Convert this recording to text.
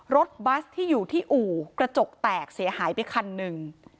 รถบัสที่อยู่ที่อู่กระจกแตกเสียหายไปคันหนึ่ง